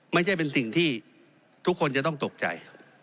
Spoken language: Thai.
ไม่ใช่เป็นสิ่งที่ทุกคนจะต้องตกใจ